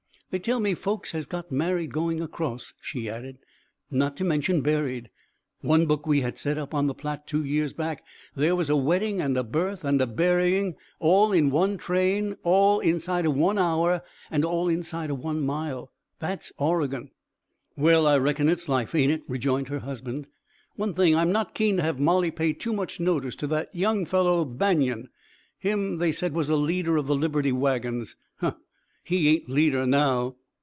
"They tell me folks has got married going across," she added, "not to mention buried. One book we had said, up on the Platte, two years back, there was a wedding and a birth and a burying in one train, all inside of one hour, and all inside of one mile. That's Oregon!" "Well, I reckon it's life, ain't it?" rejoined her husband. "One thing, I'm not keen to have Molly pay too much notice to that young fellow Banion him they said was a leader of the Liberty wagons. Huh, he ain't leader now!"